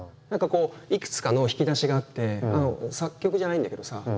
何かこういくつかの引き出しがあって作曲じゃないんだけどさ